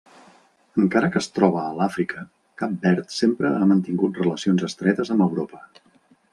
Encara que es troba a l'Àfrica, Cap Verd sempre ha mantingut relacions estretes amb Europa.